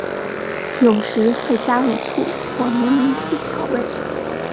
有时会加入醋或柠檬汁调味。